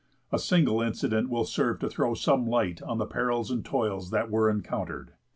A single incident will serve to throw some light on the perils and toils that were encountered.